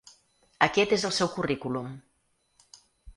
Aquest és el seu currículum.